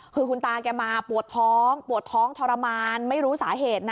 คือคุณตาแกมาปวดท้องปวดท้องทรมานไม่รู้สาเหตุนะ